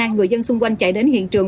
người dân xung quanh chạy đến hiện trường